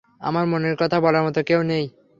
আমার মনের কথা বলার মতো কেউ নেই।